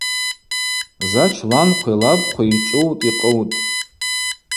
Зач ланхъви лабхъви йчӏвыутӏ-йкъыутӏ.